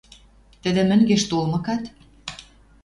Тӹдӹ, мӹнгеш толмыкат.